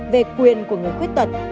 về quyền của người quyết tật